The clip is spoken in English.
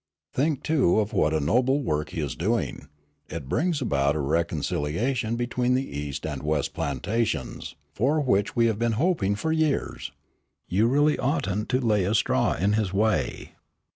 "Think, too, of what a noble work he is doing. It brings about a reconciliation between the east and west plantations, for which we have been hoping for years. You really oughtn't to lay a straw in his way."